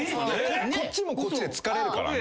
こっちもこっちで疲れるからね。